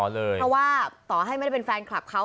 เพราะว่าต่อให้ไม่ได้เป็นแฟนคลับเขา